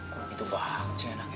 kok begitu banget sih enaknya